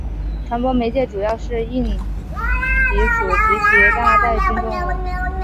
传播媒介主要是硬蜱属及其它带菌动物。